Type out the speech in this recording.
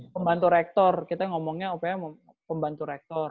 pembantu rektor kita ngomongnya upaya pembantu rektor